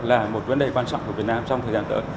là một vấn đề quan trọng của việt nam trong thời gian tới